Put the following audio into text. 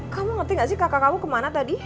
kamu ngerti gak sih kakak kamu kemana tadi